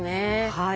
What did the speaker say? はい。